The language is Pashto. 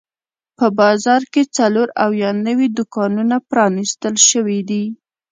په بازار کې څلور اویا نوي دوکانونه پرانیستل شوي دي.